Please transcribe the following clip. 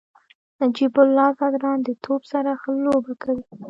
نجیب الله زدران د توپ سره ښه لوبه کوي.